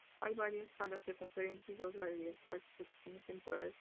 Hay varias salas de conferencias y dos galerías para exposiciones temporales.